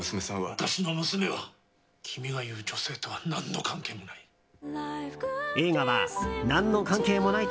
私の娘は君が言う女性とは何の関係もない。